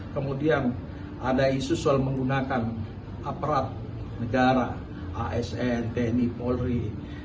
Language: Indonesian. kemudian ada isu soal menggunakan aparat negara asn tni polri